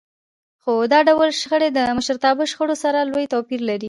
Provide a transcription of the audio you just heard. خو دا ډول شخړې له مشرتابه شخړو سره لوی توپير لري.